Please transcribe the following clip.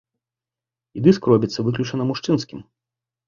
І дыск робіцца выключна мужчынскім.